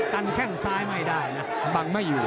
ฝั่งแห้งสายไม่ได้นะ